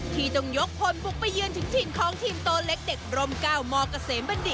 ที่ต้องยกพลปลูกไปเยือนถึงทีมของทีมตัวเล็กเด็กบรมเก้ามเกษมบรรดิ